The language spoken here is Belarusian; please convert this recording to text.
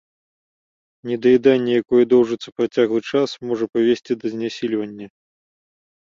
Недаяданне, якое доўжыцца працяглы час, можа прывесці да знясільвання.